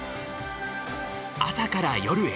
朝から夜へ。